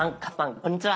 こんにちは。